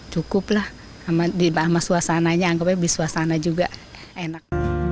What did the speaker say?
cukup lah sama suasananya anggapnya suasana juga enak